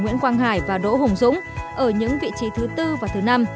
nguyễn quang hải và đỗ hùng dũng ở những vị trí thứ tư và thứ năm